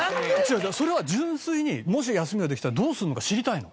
それは純粋にもし休みができたらどうするのか知りたいの。